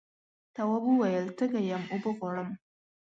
تواب وویل تږی یم اوبه غواړم.